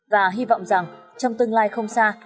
và hy vọng rằng trong tương lai không xa